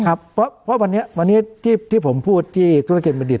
ครับเพราะวันนี้วันนี้ที่ผมพูดที่ธุรกิจบัณฑิต